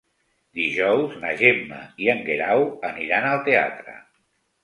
Dijous na Gemma i en Guerau aniran al teatre.